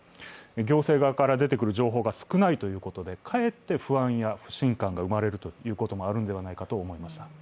行政側から出てくる情報が少ないということで、かえって不安や不信感が生まれるということもあると思います。